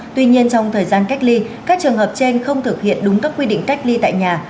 tuy nhiên trong thời gian cách ly các trường hợp trên không thực hiện đúng các quy định cách ly tại nhà